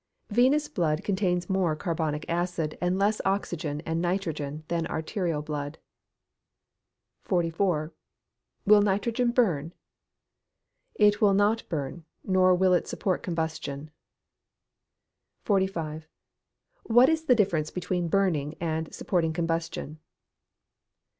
_ Venous blood contains more carbonic acid, and less oxygen and nitrogen than arterial blood. 44. Will nitrogen burn? It will not burn, nor will it support combustion. 45. _What is the difference between "burning" and "supporting combustion?"